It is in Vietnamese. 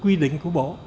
quy định của bộ